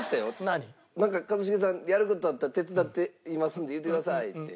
なんか一茂さんやる事あったら「手伝って」いますんで言うてくださいって。